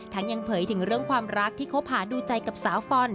ทั้งยังเผยถึงเรื่องความรักที่เข้าผ่านดูใจกับสาวฟอนด์